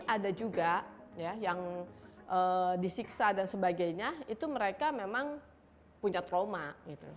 ada juga ya yang disiksa dan sebagainya itu mereka memang punya trauma gitu